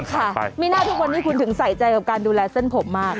ค่ะมีหน้าทุกวันนี้คุณถึงใส่ใจกับการดูแลเส้นผมมาก